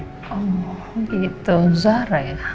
oh gitu zara ya